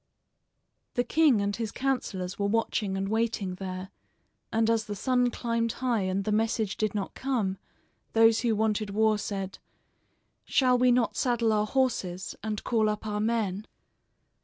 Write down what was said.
The king and his counselors were watching and waiting there, and as the sun climbed high and the message did not come, those who wanted war said: "Shall we not saddle our horses, and call up our men?"